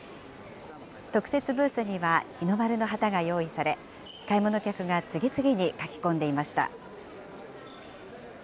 特設ブースには日の丸の旗が用意され、買い物客が次々に書き込んでいました。